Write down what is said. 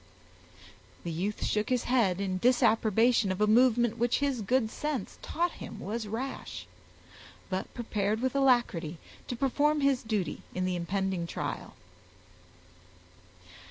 The youth shook his head in disapprobation of a movement which his good sense taught him was rash, but prepared with alacrity to perform his duty in the impending trial.